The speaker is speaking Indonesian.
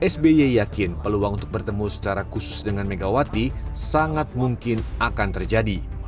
sby yakin peluang untuk bertemu secara khusus dengan megawati sangat mungkin akan terjadi